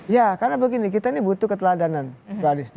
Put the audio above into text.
ya karena begini kita ini butuh keteladanan tradisi